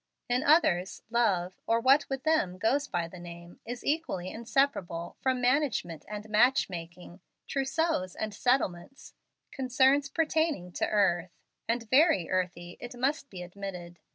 In others, love, or what with them goes by the name, is equally inseparable from management and match making, trousseaux and settlements, concerns pertaining to earth, and very earthy, it must be admitted.